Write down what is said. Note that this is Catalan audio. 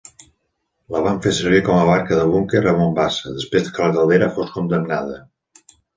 La van fer servir com a barca de búnquer a Mombasa després que la caldera fos condemnada.